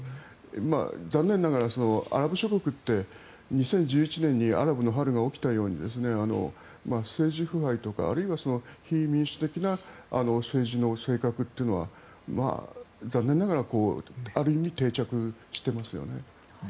残念ながらアラブ諸国って２０１７年にアラブの春が起きたように政治腐敗とかあるいは非民主的な政治の性格というのは残念ながらある意味、定着していますよね。